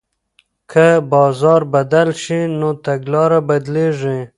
که بازار بدل شي نو تګلاره بدلیږي.